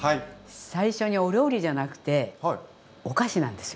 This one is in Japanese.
最初にお料理じゃなくてお菓子なんですよ。